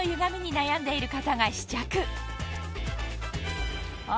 悩んでいる方が試着あ。